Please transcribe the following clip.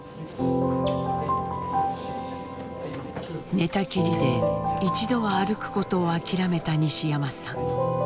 寝たきりで一度は歩くことを諦めた西山さん。